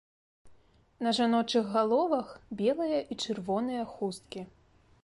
На жаночых галовах белыя і чырвоныя хусткі.